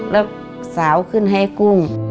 แล้วสาวขึ้นให้กุ้ง